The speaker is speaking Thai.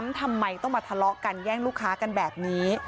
ทำไมต้องมาทะเลาะกันแย่งลูกค้ากันแบบนี้